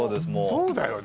そうだよね。